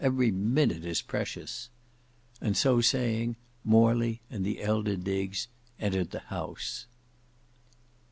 Every minute is precious." And so saying, Morley and the elder Diggs entered the house.